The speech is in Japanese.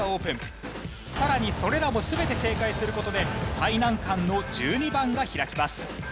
さらにそれらも全て正解する事で最難関の１２番が開きます。